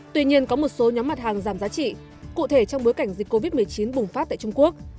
tuy nhiên có một số nhóm mặt hàng giảm giá trị cụ thể trong bối cảnh dịch covid một mươi chín bùng phát tại trung quốc